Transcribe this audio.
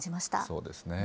そうですね。